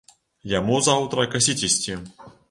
Яму заўтра касіць ісці.